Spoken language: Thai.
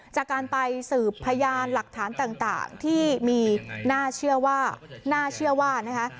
จากการไปสืบพยานหลักฐานต่างที่มีน่าเชื่อว่าน่าเชื่อว่านะคะ